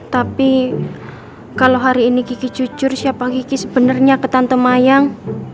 tapi kalo hari ini kiki jujur siapa kiki sebenernya ke tante mayang